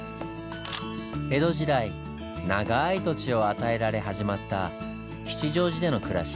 江戸時代ながい土地を与えられ始まった吉祥寺での暮らし。